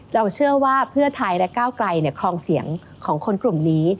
เราเชื่อว่าเพื่อไทยและก้าวไกลคลองเสียงของคนกลุ่มนี้